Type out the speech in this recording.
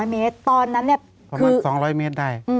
เมตรตอนนั้นเนี่ยประมาณ๒๐๐เมตรได้